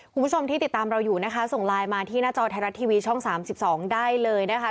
คุณผู้ชมที่ติดตามเราอยู่นะคะส่งไลน์มาที่หน้าจอไทยรัฐทีวีช่อง๓๒ได้เลยนะคะ